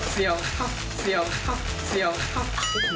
เสียวข้าวเสียวข้าวเสียวข้าว